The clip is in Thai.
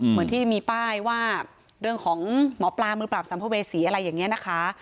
เหมือนที่มีป้ายว่าเรื่องของหมอปลามือปราบสัมภเวษีอะไรอย่างนี้นะคะ